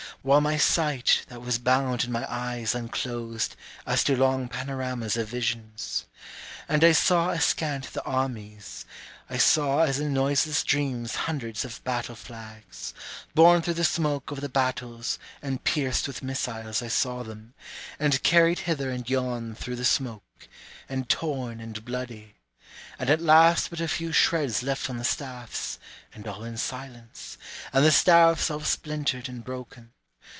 While my sight that was bound in my eyes unclosed, As to long panoramas of visions. And I saw askant the armies, I saw as in noiseless dreams hundreds of battle flags, Borne through the smoke of the battles and pierced with missiles I saw them, And carried hither and yon through the smoke, and torn and bloody. And at last but a few shreds left on the staffs (and all in silence), And the staffs all splintered and broken.